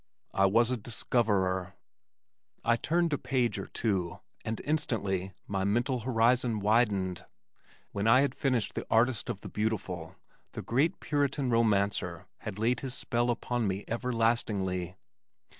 I was a discoverer. I turned a page or two, and instantly my mental horizon widened. When I had finished the Artist of the Beautiful, the great Puritan romancer had laid his spell upon me everlastingly.